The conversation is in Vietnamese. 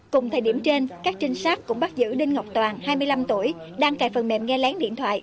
cùng thời điểm trên các trinh sát cũng bắt giữ đinh ngọc toàn hai mươi năm tuổi đang cài phần mềm nghe lén điện thoại